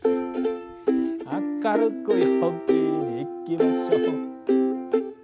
「明るく陽気にいきましょう」